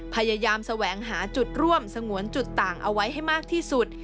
พยายามแสวงหาจุดร่วมสงวนจุดต่างเอาไว้ให้มากที่สุด